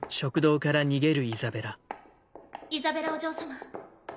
イザベラお嬢様。